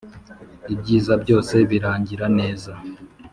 ibyiza byose birangira neza.